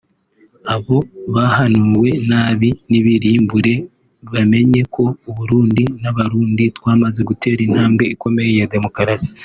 Abo bahanuwe nabi nibirimbure bamenye ko Uburundi n'Abarundi twamaze gutera intambwe iboneka ya demokarasi